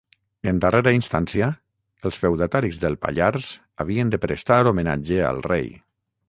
En darrera instància, els feudataris del Pallars havien de prestar homenatge al rei.